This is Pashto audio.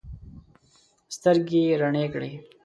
سترګې یې رڼې کړې.